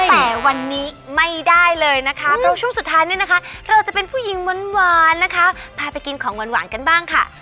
แต่วันนี้ไม่ได้เลยนะคะเพราะช่วงสุดท้ายเนี่ยนะคะเราจะเป็นผู้หญิงหวานนะคะพาไปกินของหวานกันบ้างค่ะ